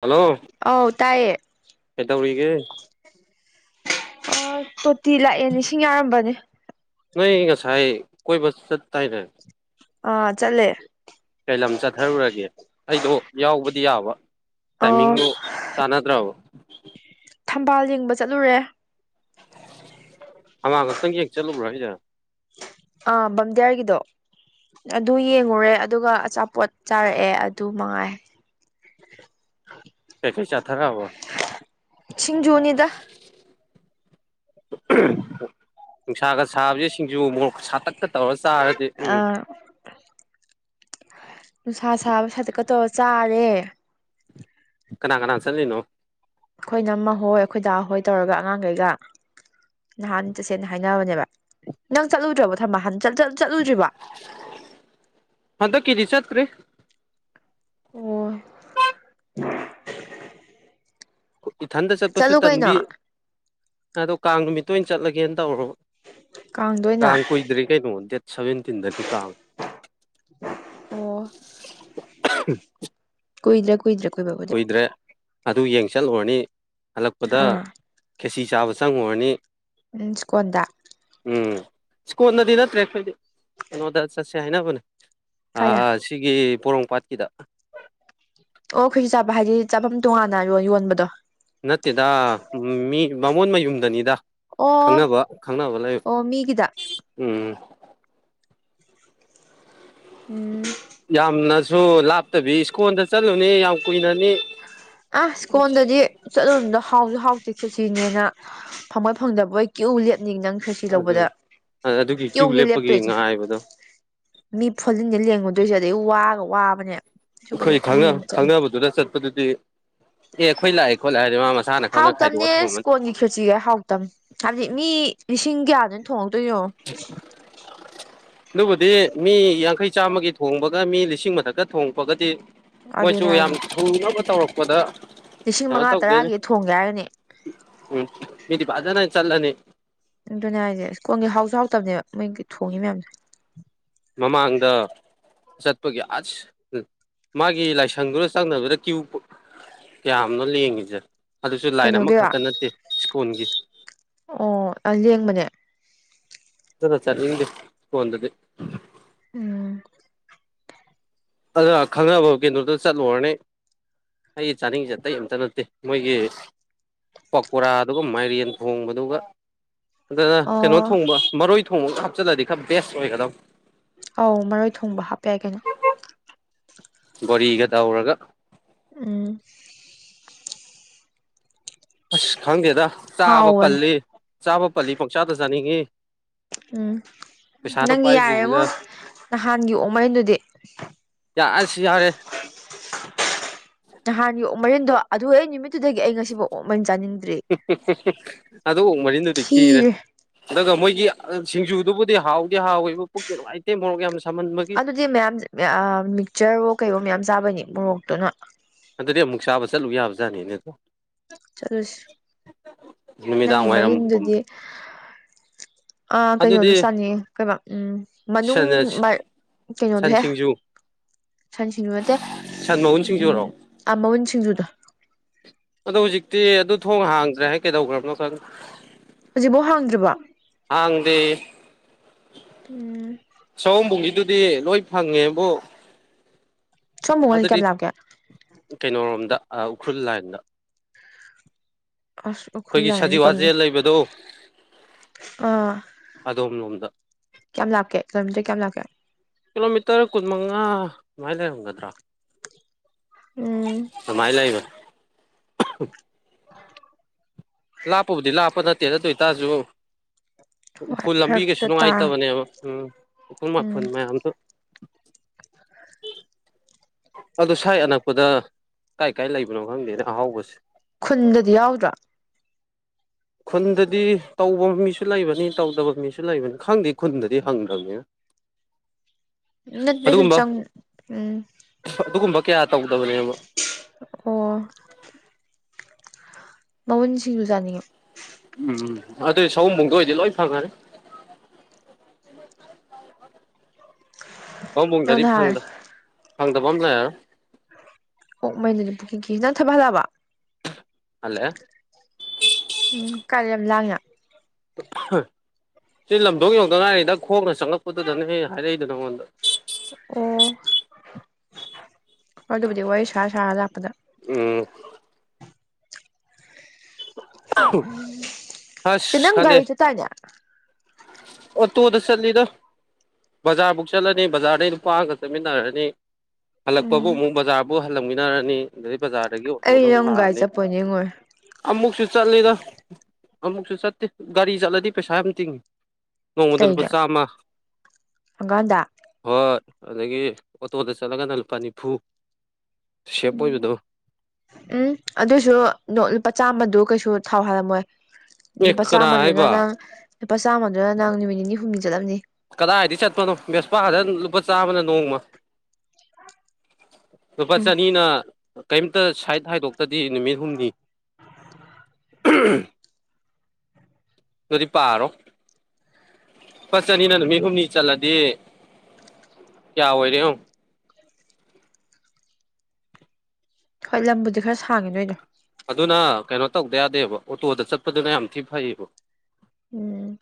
hello ꯑꯧ ꯇꯥꯏꯌꯦ ꯑꯦꯇ ꯄꯨꯔꯤꯒꯦ ꯑ ꯀꯣꯇꯤ ꯂꯥꯛꯑꯦ ꯅꯤꯡꯁꯤꯡ ꯌꯥꯔꯝꯕꯅꯦ ꯅ ꯉꯁꯥꯏ ꯀꯣꯏꯕꯁ ꯆꯠ ꯇꯥꯏꯅꯦ ꯑ ꯆꯠꯂꯦ ꯀꯩ ꯂꯝ ꯆꯠꯊꯔꯨꯔꯒꯦ ꯑꯩꯗꯣ ꯌꯥꯎꯕꯗꯤ ꯌꯥꯕ ꯇꯥꯏꯃꯤ ꯑꯥ ꯆꯅ ꯑꯗꯨ꯭ꯔ ꯊꯝꯕꯥꯜ ꯌꯦꯡꯕ ꯆꯠꯂꯨꯔꯦ ꯍꯉꯥꯡ ꯈꯛꯇꯪ ꯌꯦꯡ ꯆꯠꯂꯨꯕ꯭ꯔꯥ ꯍꯥꯏꯁꯦ ꯑ ꯕꯝꯗꯤꯌꯥꯔꯒꯤꯗꯣ ꯑꯗꯨ ꯌꯦꯡꯉꯨꯔꯦ ꯑꯗꯨꯒ ꯑꯆꯥꯄꯣꯠ ꯆꯥꯔꯛꯑꯦ ꯑꯗꯨ ꯃꯉꯥꯏ ꯆꯊꯔꯕ ꯁꯤꯡꯖꯨꯅꯤꯗ ꯅꯨꯡꯁꯥꯒ ꯁꯥꯕꯁꯦ ꯁꯤꯡꯖꯨ ꯃꯣꯛ ꯁꯥꯇꯛꯀ ꯇꯧꯔꯁꯤ ꯑ ꯁꯥ ꯁꯥꯁ ꯀ ꯆꯥꯔꯦ ꯀꯅꯥ ꯀꯅꯥ ꯆꯠꯂꯤꯅꯣ ꯑꯩꯈꯣꯏ ꯅꯝꯃ ꯍꯣꯏ ꯑꯩꯈꯣꯏ ꯗꯥ ꯍꯣꯏ ꯇꯧꯔꯒ ꯑꯉꯥꯡꯈꯩꯒ ꯅꯍꯥꯟ ꯆꯠꯁꯦꯡꯅ ꯍꯥꯏꯅꯕꯅꯦꯕ ꯅꯪ ꯆꯠꯂꯨꯗ꯭ꯔꯕꯣ ꯊꯝꯃ ꯍꯥꯟꯠ ꯆꯠ ꯆꯠꯂꯨꯗ꯭ꯔꯤꯕ ꯇ꯭ꯔꯦ ꯑꯣ ꯏꯊꯟꯇ ꯆꯠꯄꯁꯨ ꯆꯠꯂꯨ ꯀꯩꯅꯣ ꯇꯟꯕꯤ ꯑꯗꯣ ꯀꯥꯡ ꯅꯨꯃꯤꯠꯇ ꯑꯣꯏꯅ ꯆꯠꯂꯒꯦꯅ ꯇꯧꯔꯕ ꯀꯥꯡꯗ ꯑꯣꯏꯅ ꯀꯥꯡ ꯀꯨꯏꯗ꯭ꯔꯦ ꯀꯩꯅꯣ ꯗꯦꯠ ꯁꯚꯦꯟꯇꯤꯟꯗꯗꯒꯤ ꯀ ꯎꯝ ꯑꯣ ꯀꯨꯏꯗ꯭ꯔꯥ ꯀꯨꯏꯗ꯭ꯔꯥ ꯀꯣꯏ ꯄꯕꯅꯦ ꯑꯗꯨ ꯌꯦꯡ ꯆꯠꯂꯨꯔꯅꯤ ꯍꯜꯂꯛꯄꯗ ꯑꯥ ꯈꯦꯁꯤ ꯆꯥꯕ ꯆꯪꯉꯨꯔꯅꯤ ꯃꯤꯆꯀꯗꯥ ꯏꯁ꯭ꯀꯣꯟꯅꯗꯤ ꯅꯠꯇ꯭ꯔꯦ ꯑꯩꯈꯣꯏꯗꯤ ꯀꯩꯅꯣꯗ ꯆꯠꯁꯦ ꯍꯥꯏꯅꯕꯅꯦ ꯀꯥꯏꯗ ꯁꯤꯒꯤ ꯄꯣꯔꯣꯝꯄꯥꯠꯈꯤꯗ ꯑꯣꯈꯩꯁꯨ ꯆꯥꯕ ꯍꯥꯏꯗꯤ ꯆꯥꯐꯝ ꯇꯣꯉꯥꯟꯅ ꯌꯣꯟꯕꯗꯣ ꯅꯠꯇꯦꯗ ꯃꯤ ꯃꯃꯣꯟ ꯃꯌꯨꯝꯗꯅꯤꯗ ꯑꯣ ꯈꯪꯅꯕ ꯈꯪꯅꯕ ꯂꯩ ꯑꯣ ꯃꯤꯒꯤꯗ ꯎꯝ ꯎꯝ ꯌꯥꯝꯅꯁꯨ ꯂꯥꯞꯇꯕꯤ ꯁ꯭ꯀꯨꯜꯗ ꯆꯠꯂꯨꯅꯦ ꯌꯥꯝ ꯀꯨꯏꯅ ꯑ ꯁ꯭ꯀꯣꯟꯗꯗꯤ ꯆꯠꯂꯣꯗꯣ ꯍꯥꯎꯁꯨ ꯍꯥꯎ ꯆ ꯁꯤꯅꯦꯅ ꯐꯪꯉꯣꯏ ꯐꯪꯗꯕꯣꯏ ꯀ꯭ꯌꯨ ꯂꯦ ꯃꯤ ꯅꯪ ꯈꯁꯤ ꯑꯗꯨ ꯂꯧꯕꯗ ꯑꯗꯨꯒꯤ ꯀ꯭ꯌꯨ ꯌꯦꯣꯡꯉꯦ ꯂꯦꯞꯄꯒꯤ ꯂꯦꯞꯇꯣꯏꯁꯦ ꯉꯥꯏꯕꯗꯣ ꯃꯤ ꯐꯣꯂꯤꯟꯗ ꯂꯦꯡꯉꯨꯗꯣꯏꯁꯦ ꯑꯗꯩ ꯑꯩ ꯋꯥꯒ ꯋꯥꯕꯅꯦ ꯁꯨꯕꯗꯤ ꯑꯩꯈꯣꯏ ꯃꯤ ꯑꯃ ꯆꯠꯂꯦ ꯈꯪꯅꯕꯗꯨꯗ ꯆꯠꯄꯗꯨꯗꯤ ꯑꯦ ꯑꯩꯈꯣꯏ ꯂꯥꯛꯑꯦ ꯈꯣꯠ ꯂꯥꯛꯦꯗꯤ ꯃꯥ ꯃꯁꯥꯅ ꯈꯪꯅ ꯈꯥꯏꯗꯣꯛꯑ ꯍꯥꯎꯇꯝꯅꯦ ꯊꯝꯃꯝꯃꯅꯤ ꯀꯣꯟꯒꯤ ꯈꯆꯒ ꯍꯥꯎꯇꯝ ꯍꯥꯏꯕꯗꯤ ꯃꯤ ꯂꯤꯁꯤꯡ ꯀꯌꯥꯗꯅ ꯊꯣꯡꯉ ꯅꯪꯕꯨꯗꯤ ꯃꯤ ꯌꯥꯡꯈꯩ ꯆꯥꯝꯃꯒꯤ ꯊꯣꯡꯕꯒ ꯃꯤ ꯂꯤꯁꯤꯡ ꯃꯊꯛꯇ ꯊꯣꯡꯉꯄꯒꯗꯤ ꯃꯣꯏꯁꯨ ꯑꯗꯨꯅꯦ ꯌꯥꯝ ꯍꯥꯏꯁꯦ ꯊꯨꯅꯕ ꯇꯧꯔꯛꯄꯗ ꯂꯤꯁꯤꯡ ꯀꯩꯅꯣ ꯃꯉꯥ ꯇꯧꯗꯦꯅꯤ ꯇꯔꯥꯒꯤ ꯊꯣꯡꯒꯦ ꯍꯥꯏꯔꯒꯅꯦ ꯎꯝ ꯃꯤꯗꯤ ꯐꯖꯅ ꯆꯜꯂꯅꯤ ꯑꯗꯨꯅꯦ ꯍꯥꯏꯁꯦ ꯁ꯭ꯀꯣꯟꯒꯤ ꯍꯥꯎꯁꯨ ꯍꯥꯎꯇꯕꯅꯦꯕ ꯃꯣꯏꯒꯤ ꯊꯣꯡꯉꯤ ꯃꯌꯥꯝꯁꯦ ꯃꯃꯥꯡꯗ ꯆꯠꯄꯒꯤ ꯑꯁ ꯎ ꯃꯥꯒꯤ ꯂꯥꯏꯁꯪꯗꯨꯗ ꯆꯪꯅꯕꯗ ꯀ꯭ꯌꯨ ꯀꯌꯥꯝꯅꯣ ꯂꯦꯡꯉꯤꯁꯦ ꯑꯗꯨꯁꯨ ꯂꯥꯏꯟ ꯀꯩꯅꯣꯒꯤꯔꯣ ꯑꯃꯈꯛꯇ ꯅꯠꯇꯦ ꯁ꯭ꯀꯨꯜꯒꯤ ꯑꯣ ꯑꯂꯦꯡꯕꯅꯦ ꯔꯣ ꯆꯠꯅꯤꯡꯗꯦ ꯏꯁꯀꯣꯟꯗꯗꯤ ꯎꯨꯝ ꯑꯗꯨ ꯈꯪꯅꯕ ꯀꯩꯟꯗ꯭ꯔꯣꯗ ꯆꯠꯂꯨꯔꯅꯤ ꯑꯩ ꯆꯥꯅꯤꯡꯉꯤꯁꯦ ꯑꯇꯩ ꯑꯝꯇ ꯅꯠꯇꯦ ꯃꯣꯏꯒꯤ ꯄꯀꯣꯔꯥꯗꯨ ꯃꯥꯏꯔꯦꯟ ꯊꯣꯡꯕꯗꯨꯒ ꯑꯗꯨꯅ ꯀꯩꯅꯣ ꯑꯣ ꯊꯣꯡꯕ ꯃꯔꯣꯏ ꯊꯣꯡꯕꯒ ꯍꯥꯞꯆꯤꯜꯂꯗꯤ ꯈꯔ ꯕꯦꯁ ꯑꯣꯏꯒꯗꯕ ꯑꯧ ꯃꯔꯣꯏ ꯊꯣꯡꯕ ꯍꯥꯞꯄ ꯌꯥꯏ ꯀꯩꯅꯣ ꯕꯣꯔꯤꯒ ꯇꯧꯔꯒ ꯎꯨꯝ ꯑꯁ ꯈꯪꯗꯦꯗ ꯆꯥꯕ ꯍꯥꯎꯕꯅꯦ ꯄꯜꯂꯤ ꯆꯥꯕ ꯄꯜꯂꯤ ꯄꯪꯆꯥꯗ ꯆꯥꯅꯤꯡꯉꯤ ꯎꯨꯝ ꯄꯩꯁꯥꯅ ꯅꯪꯒꯤ ꯌꯥꯏꯔꯦꯉꯣ ꯄꯥꯏꯗ꯭ꯔꯤꯁꯤꯒ ꯅꯍꯥꯟꯒꯤ ꯑꯣꯛ ꯃꯦꯟꯗꯨꯗꯤ ꯑꯁꯤ ꯌꯥꯔꯦ ꯅꯍꯥꯟꯒꯤ ꯑꯣꯛ ꯃꯔꯤꯟꯗꯣ ꯑꯗꯨ ꯑꯩ ꯅꯨꯃꯤꯠꯇꯨꯗꯒꯤ ꯑꯩ ꯉꯁꯤꯐꯥꯎ ꯑꯣꯛ ꯃꯔꯤꯟ ꯆꯥꯅꯤꯡ ꯑꯗꯨ ꯑꯣꯛ ꯃꯔꯤꯟꯗꯨꯗꯤ ꯀꯤꯔꯦ ꯈꯤꯔꯦ ꯑꯗꯨꯒ ꯃꯣꯏ ꯒꯤ ꯁꯤꯡꯖꯨꯗꯨꯕꯨꯗꯤ ꯍꯥꯎꯗꯤ ꯍꯥꯎꯋꯦꯕ ꯄꯨꯣꯛꯛꯇꯦ ꯅꯨꯡꯉꯥꯏꯇꯦ ꯃꯣꯔꯣꯛ ꯌꯥꯝꯅ ꯑꯗꯨꯗꯤ ꯃꯌꯥꯝ ꯃꯤꯛꯆꯔꯣ ꯀꯩꯔꯣ ꯃꯌꯥꯝ ꯆꯥꯕꯅꯤ ꯃꯣꯔꯣꯛꯇꯨꯅ ꯑꯗꯨꯗꯤ ꯑꯃꯨꯛ ꯆꯥꯕ ꯆꯠꯂꯨ ꯌꯥꯕ ꯖꯥꯠꯅꯤꯅꯦꯀꯣ ꯆꯠꯂꯨꯁꯤ ꯅꯪꯒꯤ ꯅꯨꯃꯤꯗꯥꯡ ꯋꯥꯏꯔꯝꯒꯨꯝꯕ ꯃꯔꯤꯟꯗꯨꯗꯤ ꯑ ꯀꯩꯅꯣꯗꯨ ꯑꯗꯨꯗꯤ ꯆꯥꯟꯅꯤ ꯀꯩ ꯎꯝ ꯃꯅꯨꯡ ꯁꯟ ꯁꯟ ꯀꯩꯅꯣꯗꯨꯍꯦ ꯁꯤꯡꯖꯨ ꯁꯟ ꯁꯤꯡꯖꯨ ꯅꯠꯇꯦ ꯁꯟ ꯃꯎꯟ ꯎꯝ ꯁꯤꯡꯖꯨꯔꯣ ꯃꯎꯨꯟ ꯁꯤꯡꯖꯨꯗꯣ ꯑꯗꯣ ꯍꯧꯖꯤꯛꯇꯤ ꯑꯗꯨ ꯊꯣꯡ ꯍꯥꯡꯗ꯭ꯔꯦ ꯍꯥꯏ ꯀꯩꯗꯧꯈ꯭ꯔꯕꯅꯣ ꯈꯪ ꯍꯧꯖꯤꯛꯐꯥꯎ ꯍꯥꯡꯗ꯭ꯔꯤꯕꯣ ꯍꯥꯡꯗꯦ ꯎꯨꯝ ꯑꯗꯨꯗꯤ ꯂꯣꯏ ꯐꯪꯉꯦꯕꯨ ꯁꯣꯝ ꯃꯨꯛꯀꯗꯤ ꯑꯗꯨꯗꯤ ꯀꯌꯥꯝ ꯂꯥꯞꯀꯦ ꯀꯩꯅꯣꯔꯣꯝꯗ ꯎꯈ꯭ꯔꯨꯜ ꯂꯥꯏꯟꯗ ꯑꯁ ꯎꯈ꯭ꯔꯨꯜ ꯑꯩꯈꯣꯏꯒꯤ ꯁꯖꯤꯋꯥ ꯖꯦꯜ ꯂꯩꯕꯗꯣ ꯑ ꯑꯗꯣꯝ ꯂꯣꯝꯗ ꯀꯌꯥꯝ ꯂꯥꯞꯀꯦ ꯀꯤꯂꯣꯃꯤꯇꯔ ꯀꯌꯥꯝ ꯂꯥꯞꯀꯦ ꯃꯥꯏꯅ ꯂꯩꯔꯝꯒꯗ꯭ꯔꯥ ꯎꯝ ꯀꯃꯥꯏꯅ ꯂꯩꯕ ꯑꯍꯨ ꯂꯥꯞꯄꯕꯨꯗꯤ ꯂꯥꯞꯄ ꯅꯠꯇꯦ ꯅ ꯑꯗꯨ ꯑꯣꯏ ꯇꯥꯔꯁꯨ ꯍꯣꯏ ꯎꯐꯨꯜ ꯂꯝꯕꯤ ꯀꯩꯁꯨ ꯐꯔꯛꯇ ꯇꯥꯔꯦ ꯅꯨꯡꯉꯥꯏꯇꯕꯅꯦꯕ ꯎꯝ ꯎꯨꯡ ꯎꯝ ꯃꯈꯨꯜ ꯃꯌꯥꯝꯗꯨ ꯇꯤꯠ ꯑꯗꯣ ꯁ꯭ꯋꯥꯥꯏ ꯑꯅꯛꯄꯗ ꯀꯥꯏ ꯀꯥꯏ ꯂꯩꯕꯅꯣ ꯈꯪꯗꯦꯅꯦ ꯑꯍꯥꯎꯕꯁꯦ ꯈꯨꯟꯗꯗꯤ ꯌꯥꯎꯗ꯭ꯔꯣ [inaudible] ꯈꯨꯟꯗꯗꯤ ꯇꯧꯕ ꯃꯤꯁꯨ ꯂꯩꯕꯅꯤ ꯇꯧꯗꯕ ꯃꯤꯁꯨ ꯂꯩꯕꯅꯤ ꯈꯪꯗꯦ ꯈꯨꯟꯗꯗꯤ ꯍꯪꯗ꯭ꯔꯕꯅꯤꯅ [unintelligible] ꯅꯁ ꯆꯪ ꯎꯝ ꯑꯗꯨꯒꯨꯝꯕ ꯀꯌꯥ ꯇꯧꯗꯕꯅꯦꯕ ꯃꯃꯟꯁꯤꯡꯁꯨꯖꯥꯅꯤꯡꯉꯤ ꯎꯝ ꯑꯗꯨꯗꯤ ꯁꯍꯨꯝꯕꯨꯗ ꯑꯣꯏꯗꯤ ꯂꯣꯏ ꯐꯉꯔꯦ [unintelligible] ꯅꯪ ꯄꯕꯨꯡꯗꯗꯤ ꯅꯍꯥꯟ ꯐꯪꯗꯕ ꯑꯃ ꯂꯩꯔꯣ ꯑꯣꯣꯛ ꯃꯩꯅꯗꯤ ꯄꯨꯈꯤꯈꯤ ꯅꯪ ꯊꯕꯜꯂꯕ ꯍꯂꯦ ꯎꯝ ꯀꯔꯤꯝ ꯂꯉ ꯁꯤ ꯂꯝꯗꯣꯛ ꯌꯧꯗ ꯉꯥꯏꯔꯤꯗ ꯈꯣꯡꯅ ꯆꯪꯉꯛꯄꯗꯨꯗꯅꯦ ꯍꯦꯛ ꯍꯥꯏꯔꯛꯏꯗ ꯅꯪꯉꯣꯟꯗ ꯑꯣ ꯑꯗꯨꯕꯨꯗꯤ ꯋꯥꯔꯤ ꯁꯥ ꯁꯥꯔ ꯂꯥꯛꯄꯗ ꯎꯝ ꯎ ꯇꯅꯪ ꯔꯤꯁꯨ ꯇꯅ ꯑꯣ ꯇꯨꯗ ꯆꯜꯂꯤꯗ ꯕꯖꯥꯔꯃꯨꯛ ꯆꯠꯂꯅꯤ ꯕꯖꯥꯔꯗꯩ ꯅꯨꯄꯥ ꯑꯃꯒ ꯆꯠꯃꯤꯟꯅꯔꯅꯤ ꯍꯜꯂꯛꯄꯕꯨ ꯎꯝ ꯑꯃꯨꯛ ꯕꯖꯥꯔꯕꯨ ꯍꯜꯂꯝꯃꯤꯟꯅꯔꯅꯤ ꯑꯗꯨꯩ ꯕꯖꯥꯔꯗꯒꯤ ꯑꯣꯇꯣꯗ ꯑꯩ ꯑꯃꯨꯛ ꯅꯪ ꯒꯥꯔꯤ ꯂꯥꯛꯑꯅꯤ ꯆꯠꯄꯣꯏ ꯅꯤꯡꯉꯨꯔꯦ ꯑꯃꯨꯛꯁꯨ ꯆꯠꯂꯤꯗ ꯑꯃꯨꯛꯁꯨ ꯆꯠꯇꯦ ꯒꯥꯔꯤ ꯆꯠꯂꯗꯤ ꯄꯩꯁꯥ ꯌꯥꯝ ꯇꯤꯡꯉꯤ ꯅꯣꯡꯃꯗ ꯂꯨꯄꯥ ꯀꯩꯒꯤ ꯆꯥꯝꯃ ꯍꯪꯒꯥꯥꯟꯗ ꯍꯣꯏ ꯑꯗꯨꯗꯒꯤ ꯑꯣꯇꯣꯗ ꯆꯠꯂꯒꯅ ꯂꯨꯄꯥ ꯅꯤꯐꯨ ꯁꯦꯞ ꯎꯝ ꯑꯣꯏꯕꯗꯣ ꯎꯝ ꯑꯗꯨꯁꯨ ꯂꯨꯄꯥ ꯆꯥꯝꯃꯗꯨ ꯀꯩꯁꯨ ꯊꯥꯎ ꯍꯥꯜꯂꯝꯃꯣꯏ ꯑꯦ ꯂꯨꯄꯥ ꯀꯅꯥ ꯆꯥꯝꯃꯗꯨꯅ ꯍꯥꯏꯕ ꯅꯪ ꯂꯨꯄꯥ ꯆꯥꯝꯃꯗꯨꯅ ꯅꯪ ꯅꯨꯃꯤꯠ ꯅꯤꯅꯤ ꯍꯨꯝꯅꯤ ꯆꯠꯂꯕꯅꯤ ꯀꯗꯥꯏꯗꯤ ꯆꯠꯄꯅꯣ ꯕꯦꯁꯄꯥ ꯈꯗ ꯂꯨꯄꯥ ꯆꯥꯝꯃꯅ ꯅꯣꯡꯃ ꯁꯄꯥ ꯆꯅꯤꯅ ꯀꯩꯝꯇ ꯁꯥꯏꯠ ꯍꯥꯏꯗꯣꯛꯇꯗꯤ ꯅꯨꯃꯤꯠ ꯍꯨꯝꯅꯤ ꯑꯗꯨꯔꯤ ꯄꯥꯔꯣ ꯐꯠ ꯆꯅꯤꯅ ꯅꯨꯃꯤꯠ ꯍꯨꯝꯅꯤ ꯆꯠꯂꯗꯤ ꯀꯌꯥ ꯑꯣꯏꯣꯏꯔꯦ ꯍꯣꯏ ꯂꯝꯕꯨꯗꯤ ꯈꯔ ꯁꯥꯡꯉꯤ ꯅꯣꯏꯗꯣ ꯑꯗꯨꯅ ꯀꯩꯅꯣ ꯇꯧꯗ ꯌꯥꯗꯦꯕ ꯑꯣꯇꯣꯗ ꯆꯠꯄꯗꯨꯅ ꯌꯥꯝ ꯊꯤ ꯐꯩꯌꯦꯕ ꯎꯝ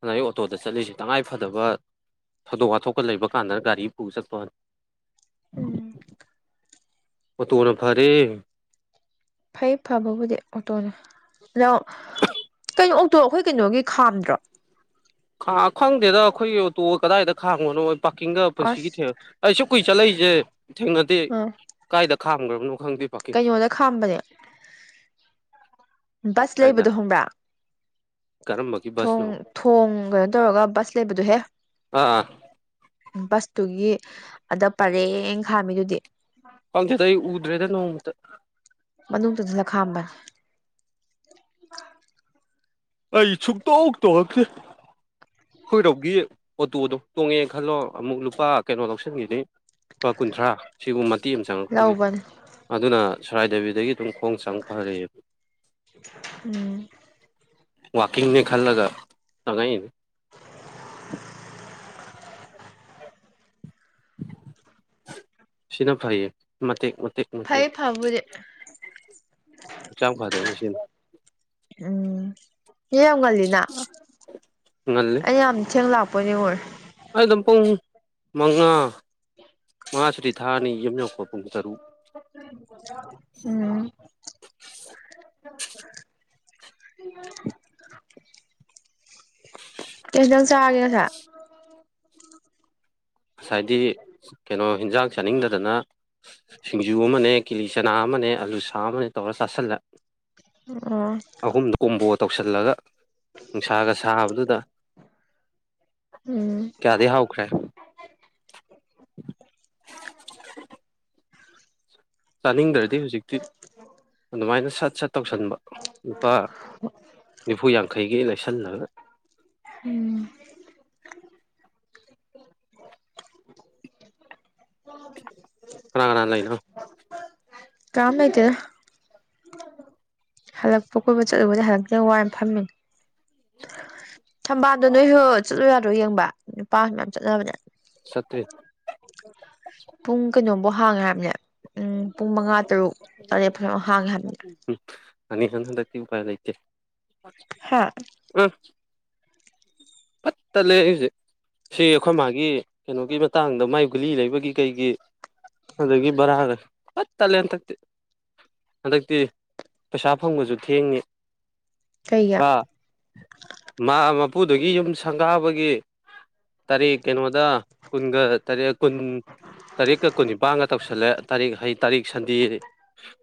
ꯑꯗꯨꯗ ꯑꯩ ꯑꯣꯇꯣꯗ ꯆꯠꯂꯤꯁꯦ ꯇꯉꯥꯏ ꯐꯗꯕ ꯊꯧꯗꯣꯛ ꯋꯥꯊꯣꯛꯀ ꯂꯩꯕ ꯀꯥꯟꯗꯅ ꯒꯥꯔꯤ ꯄꯨ ꯆꯠꯄꯅꯤ ꯎꯝ ꯑꯣ ꯇꯣꯅ ꯐꯔꯦ ꯐꯩ ꯐꯕꯕꯨꯗꯤ ꯑꯣꯇꯣꯅ ꯂꯣ ꯀꯩꯅꯣ ꯑꯣꯛꯇꯣ ꯑꯩꯈꯣꯏ ꯀꯩꯅꯣꯒꯤ ꯈꯥꯝꯗ꯭ꯔꯣ ꯈꯪꯗꯦꯗ ꯑꯩꯈꯣꯏꯒꯤ ꯑꯣꯇꯣ ꯀꯗꯥꯏꯗ ꯈꯥꯡꯉꯣꯅꯣ ꯄꯥꯔꯀꯤꯡꯒ ꯄꯨꯟꯁꯤꯒꯤ ꯑꯁ ꯊ ꯑꯩꯁꯨ ꯀꯨꯏꯦ ꯆꯠꯂꯛꯏꯁꯦ ꯊꯦꯡꯅꯗ ꯑꯥ ꯀꯥꯏꯗ ꯈꯥꯝꯈ꯭ꯔꯕꯅꯣ ꯈꯪꯗꯦ ꯄꯥꯔꯀꯤꯡ ꯀꯩꯅꯣꯗ ꯈꯥꯝꯕꯅꯦ ꯕꯁ ꯀꯥꯏꯗ ꯂꯩꯕꯗꯣ ꯈꯪꯡꯕ꯭ꯔꯥ ꯀꯔꯝꯕꯒꯤ ꯊꯣꯡ ꯕꯁꯅꯣ ꯀꯩꯅꯣ ꯇꯧꯔꯒ ꯕꯁ ꯂꯩꯕꯗꯣꯍꯦ ꯑꯥ ꯕꯁꯇꯨꯒꯤ ꯑꯗ ꯄꯔꯦꯡ ꯈꯥꯝꯃꯤꯗꯨꯗꯤ ꯄꯪꯈꯗ ꯑꯩ ꯎꯗ꯭ꯔꯦꯗ ꯅꯣꯡꯃꯨꯛꯇ ꯃꯅꯨꯡꯗꯁꯤꯅ ꯈꯥꯝꯕ ꯑꯩ ꯁꯨꯡ ꯇꯣꯡ ꯇꯣꯡꯉꯛꯇꯔꯤ ꯑꯩꯈꯣꯏꯔꯣꯝꯒꯤꯒꯤ ꯑꯣꯇꯣꯗꯣ ꯇꯣꯡꯉꯦ ꯈꯜꯂꯣ ꯑꯃꯨꯛ ꯂꯨꯄꯥ ꯀꯩꯅꯣ ꯂꯧꯁꯤꯟꯈꯤꯅꯤ ꯂꯨꯄꯥ ꯀꯨꯟꯊ꯭ꯔꯥ ꯁꯤꯕꯨ ꯃꯇꯦꯛ ꯑꯃ ꯆꯪꯉꯛꯄꯒꯤ ꯂꯧꯕꯅꯦ ꯑꯗꯨꯅ ꯁꯣꯔꯥꯏ ꯗꯦꯕꯤꯗꯒꯤ ꯑꯗꯨꯝ ꯈꯣꯡꯁꯥꯡ ꯐꯍꯔꯌꯦ ꯎꯝ ꯋꯥꯀꯤꯡꯅꯦ ꯈꯜꯂꯒ ꯆꯉꯥꯏꯅꯦ ꯁꯤꯅ ꯐꯩꯌꯦ ꯃꯇ ꯐꯥꯏ ꯐꯕꯕꯨꯗꯤ ꯍꯛꯆꯥꯡ ꯐꯗꯨꯏꯅꯤ [unintelligible] ꯌꯥꯝ ꯉꯟꯂꯤꯅꯥ ꯉꯜꯂꯤ ꯑꯩ ꯌꯥꯝ ꯊꯦꯡꯅ ꯂꯥꯛꯄꯅꯦ ꯍꯣꯏ [unintelligible] ꯄꯨꯡ ꯃꯉꯥ ꯃꯥꯁꯤꯗꯤ ꯊꯥꯅꯤ ꯌꯨꯝ ꯌꯧꯈ ꯄꯨꯡ ꯇꯔꯨꯛ ꯎꯝ [unintelligible] ꯀꯩ ꯏꯟꯁꯪ ꯆꯥꯒꯦ ꯉꯥꯁꯥꯏ ꯉꯁꯥꯏꯗꯤ ꯀꯩꯅꯣ ꯍꯤꯟꯖꯥꯛ ꯆꯥꯅꯤꯡꯗꯗꯅ ꯁꯤꯡꯖꯨ ꯑꯃꯅꯦ ꯀꯤꯂꯤ ꯆꯅꯥ ꯑꯃꯅꯦ ꯑꯂꯨ ꯁꯥ ꯑꯃꯅꯦ ꯇꯧꯔ ꯆꯥꯁꯤꯜꯂ ꯑꯣ ꯇꯧꯁꯤꯜꯂꯒ ꯅꯨꯡꯁꯥꯒ ꯁꯥꯕꯗꯨꯗ ꯎꯝ ꯀꯌꯥꯗ ꯍꯥꯥꯎꯥꯎꯈ꯭ꯔꯦ [unintelligible] [unintelligible] ꯆꯥꯅꯤꯡꯗ꯭ꯔꯗꯤ ꯍꯧꯖꯤꯛꯇꯤ ꯑꯗꯨꯃꯥꯏꯅ ꯁꯠ ꯁꯠ ꯇꯧꯁꯟꯕ ꯂꯨꯄꯥ ꯅꯤꯐꯨ ꯌꯥꯡꯈꯩꯒꯤ ꯂꯥꯏꯁꯟꯅꯂꯕ ꯎꯝ ꯀꯥꯅ ꯀꯥꯅ ꯂꯩꯅ ꯀꯅꯝ ꯂꯩꯇꯦꯗ ꯍꯜꯂꯛꯄ ꯀꯣꯏꯠꯄ ꯆꯠꯂꯨꯕꯗꯤ ꯍꯜꯗꯛꯇꯦ ꯋꯥꯏ ꯌꯥꯝꯅ ꯐꯝꯃꯤ ꯊꯝꯕꯥꯜꯗꯣ ꯅꯣꯏꯁꯨ ꯆꯠꯂꯣ ꯌꯥꯔ꯭ꯔꯣ ꯌꯦꯡꯕ ꯅꯨꯄꯥ ꯃꯌꯥꯝ ꯆꯠꯅꯕꯅꯦ ꯁꯠꯇ꯭ꯦ ꯄꯨꯡ ꯀꯩꯅꯣ ꯕꯨꯛ ꯍꯥꯡꯈ꯭ꯔꯕꯅꯦ ꯎꯝ ꯄꯨꯡ ꯃꯉꯥ ꯇꯥꯔꯨꯛ ꯇꯔꯦꯠ ꯐꯥꯎ ꯍꯡꯉꯦ ꯍꯥꯏꯕꯅꯤ ꯑꯅꯤ [unintelligible] ꯎ ꯄꯥꯏ ꯂꯩꯇꯦ ꯍꯥ ꯑ ꯄꯠꯇ ꯂꯩ ꯍꯧꯁꯛ ꯁꯤ ꯑꯩꯈꯣꯏ ꯃꯥꯒꯤ ꯀꯩꯅꯣꯒꯤ ꯃꯇꯥꯡꯗ ꯃꯥꯏ ꯒꯨꯂꯤ ꯂꯩꯕꯒꯤ ꯀꯩꯒꯤ ꯑꯗꯒꯤ ꯕꯔꯥꯒ ꯄꯥꯠ ꯇꯂꯦ ꯊꯛ ꯍꯟꯗꯛꯇꯤ ꯄꯩꯁꯥ ꯐꯪꯕꯁꯨ ꯊꯦꯡꯅꯤ ꯀꯩꯒꯤ ꯑ ꯃꯥ ꯃꯄꯨꯗꯨꯒꯤ ꯌꯨꯝ ꯁꯪꯒꯥꯕꯒꯤ ꯇꯔꯤꯛ ꯀꯩꯅ‌ꯣꯗ ꯀꯨꯟꯒ ꯇꯔ‌ꯦꯠ ꯀꯨꯟ ꯇꯥꯔꯤꯛꯀ ꯀꯨꯟꯅꯤꯄꯥꯟꯒ ꯇꯧꯁꯜꯂꯦ ꯇꯥꯔꯤꯛ ꯍꯩ ꯇꯥꯔꯤꯛ ꯁꯟꯗ‌ꯦ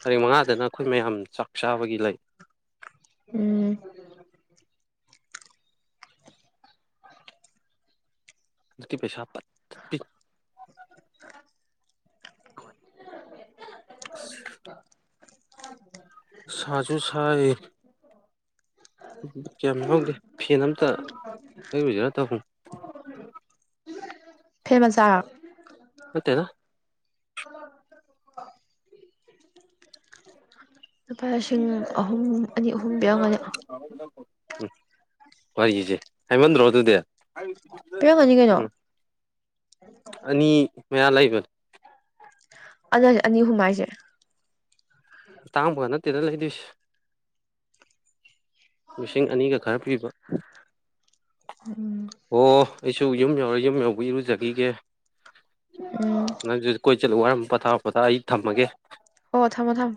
ꯇꯥꯔꯤꯛ ꯃꯉꯥꯗꯅ ꯑꯩꯈꯣꯏ ꯃꯌꯥꯝ ꯆꯥꯛ ꯆꯥꯕꯒꯤ ꯂꯩ ꯎꯝ ꯑꯗꯨꯄꯤ ꯄꯩꯁꯥꯄꯤ ꯑꯁ ꯁꯥꯖꯨ ꯁꯥꯏ ꯀꯌꯥꯝ ꯌꯥꯎꯗꯦ ꯐꯦꯟ ꯑꯝꯇ ꯂꯩꯔꯨꯁꯤꯔ ꯇꯧꯟ ꯐꯦꯟ ꯃꯆꯥꯥ ꯅꯠꯇꯦꯗ ꯂꯨꯄꯥ ꯂꯤꯁꯤꯡ ꯑꯍꯨꯝ ꯑꯅꯤ ꯑꯍꯨꯝ ꯄꯤꯔꯝꯒꯅꯤ ꯎꯝ ꯋꯥꯔꯤꯁꯦ ꯍꯥꯏꯃꯟꯗ꯭ꯔꯣ ꯑꯗꯨꯗꯤ ꯄꯤꯔꯝꯒꯅꯤ ꯀꯩꯅꯣ ꯎꯝ ꯑꯅꯤ ꯃꯌꯥ ꯂꯩꯕꯅꯦ ꯑꯗꯨꯅ ꯑꯅꯤ ꯑꯍꯨꯡ ꯍꯥꯏꯁꯦ ꯑꯇꯥꯡꯕꯒ ꯅꯠꯇꯦꯗ ꯂꯩꯗꯣꯏꯁ ꯂꯤꯁꯤꯡ ꯑꯅꯤꯒ ꯈꯔ ꯄꯤꯕ ꯎꯝ ꯑꯣ ꯑꯩꯁꯨ ꯌꯨꯝ ꯌꯧꯔ ꯌꯨꯝ ꯌꯧꯕ ꯏꯔꯨꯖꯈꯤꯒꯦ ꯎꯝ ꯅꯪꯁꯨ ꯀ‌ꯣꯏ ꯆꯠꯂꯨ ꯋꯥꯔ ꯄꯣꯊꯥ ꯄꯣꯊꯥ ꯑꯩ ꯊꯝꯃꯒꯦ ꯑꯣ ꯊꯝꯃꯣ ꯊꯝꯃꯣ